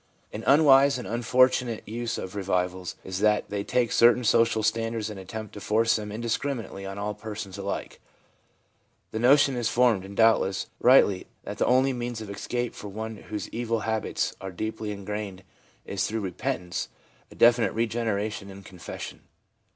An unwise and unfortunate use of revivals is that they take certain social standards and attempt to force them indiscriminately on all persons alike. The notion is formed, and, doubtless, rightly, that the only means of escape for one whose evil habits are deeply ingrained is through repentance, a definite regeneration and con fession.